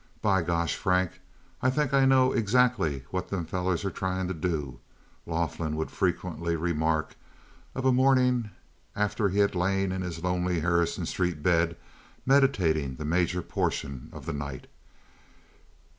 "By Gosh! Frank, I think I know exactly what them fellers are trying to do," Laughlin would frequently remark of a morning, after he had lain in his lonely Harrison Street bed meditating the major portion of the night.